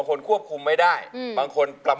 อายุ๒๔ปีวันนี้บุ๋มนะคะ